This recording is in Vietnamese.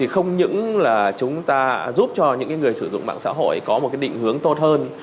không những là chúng ta giúp cho những người sử dụng mạng xã hội có một định hướng tốt hơn